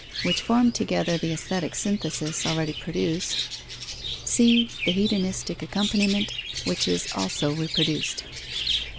which form together the aesthetic synthesis, already produced; c, the hedonistic accompaniment, which is also reproduced.